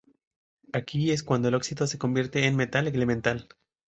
Aquí es cuando el óxido se convierte en metal elemental.